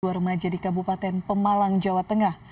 dua remaja di kabupaten pemalang jawa tengah